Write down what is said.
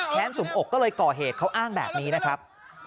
สุมอกก็เลยก่อเหตุเขาอ้างแบบนี้นะครับ